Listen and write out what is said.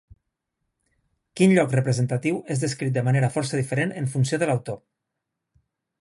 Quin lloc representatiu és descrit de manera força diferent en funció de l'autor?